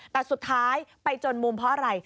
แต่สุดท้ายไปจนมุมเพราะอะไร